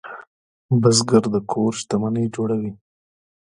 بزګر د کور شتمني جوړوي